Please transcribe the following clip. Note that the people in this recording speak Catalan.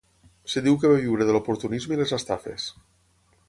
Es diu que va viure de l'oportunisme i les estafes.